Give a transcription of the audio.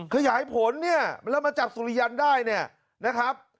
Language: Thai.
ขยายผลเนี่ยแล้วมาจับสุริยันได้เนี่ยนะครับ